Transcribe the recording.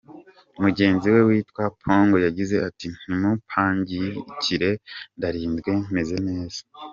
Mugenzi we witwa Pong yagize ati "Ntimumpangayikire, ndarinzwe, meze neza.